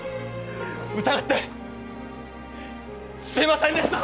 疑ってすいませんでした！